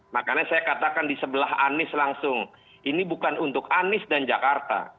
makanya saya katakan di sebelah anies langsung ini bukan untuk anies dan jakarta